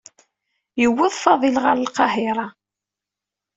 Yewweḍ Faḍil ɣer Lqahiṛa.